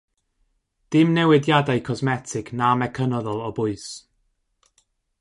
Dim newidiadau cosmetig na mecanyddol o bwys.